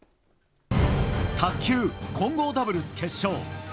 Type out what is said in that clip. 卓球・混合ダブルス決勝。